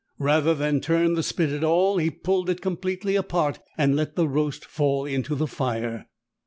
Rather than turn the spit at all, he pulled it completely apart and let the roast fall into the fire.